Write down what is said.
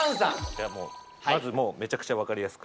いやもうまずもうめちゃくちゃ分かりやすく。